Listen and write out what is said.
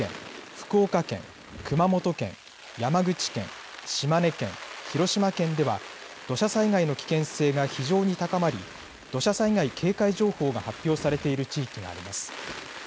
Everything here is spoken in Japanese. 福岡県、熊本県、山口県島根県、広島県では土砂災害の危険性が非常に高まり土砂災害警戒情報が発表されている地域があります。